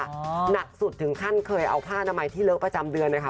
หนักสุดถึงขั้นเคยเอาผ้านามัยที่เลิกประจำเดือนนะคะ